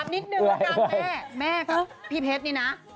คามนิดนึงว่าแม่กับพี่เพชรนี่นะ